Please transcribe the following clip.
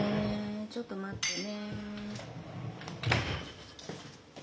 ちょっと待ってね。